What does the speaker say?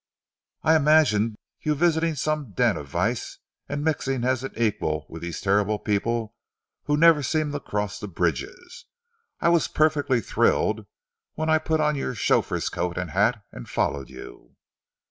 I imagined you visiting some den of vice and mixing as an equal with these terrible people who never seem to cross the bridges. I was perfectly thrilled when I put on your chauffeur's coat and hat and followed you."